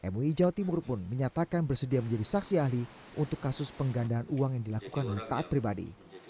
mui jawa timur pun menyatakan bersedia menjadi saksi ahli untuk kasus penggandaan uang yang dilakukan oleh taat pribadi